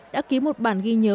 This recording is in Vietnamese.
đã ký một bản ghi nhớ